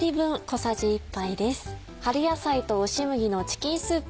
「春野菜と押し麦のチキンスープ」。